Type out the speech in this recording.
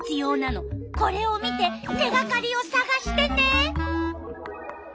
これを見て手がかりをさがしてね！